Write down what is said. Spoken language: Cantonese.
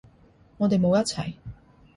我哋冇一齊